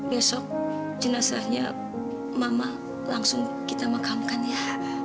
besok jenazahnya mama langsung kita makamkan ya